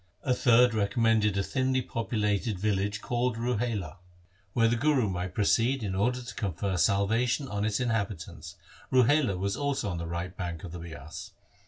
A third recommended a thinly populated village called Ruhela, whither the Guru might proceed in order to confer salvation on its inhabitants. Ruhela was also on the right bank of the Bias.